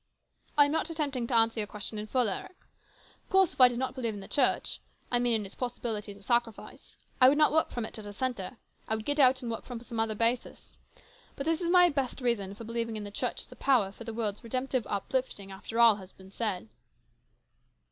I am not attempting to answer your question in full, Eric. Of course if I did not believe in the Church, I mean in its possibilities of sacrifice, I would not work from it as a centre. I would get out and work from some other basis. But this is my best reason for believing in the Church as a power for the world's redemptive uplifting after all else has been said."